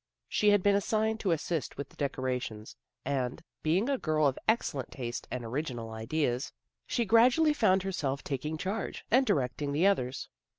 She had been assigned to assist with the decorations, and being a girl of excellent taste and original ideas, she gradually found herself taking charge, and directing the others.